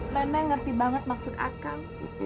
neng neng ngerti banget maksud akam